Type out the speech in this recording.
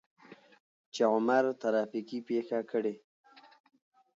چې عمر ترافيکي پېښه کړى.